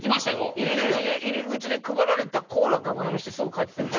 入り口で配られたコーラがぶ飲みしてすぐ帰ってたよな。